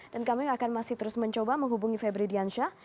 dan kami akan masih terus mencoba menghubungi febri diansyah